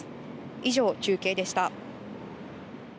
以上、中継でした。